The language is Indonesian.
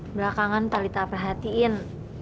belakangan talitha perhatiin